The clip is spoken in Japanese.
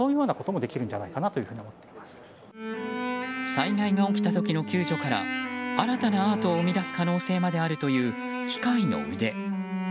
災害が起きた時の救助から新たなアートを生み出す可能性まであるという、機械の腕。